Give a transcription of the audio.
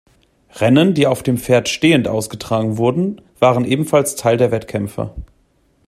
Rennen, die auf dem Pferd stehend austragen wurden, waren ebenfalls Teil der Wettkämpfe.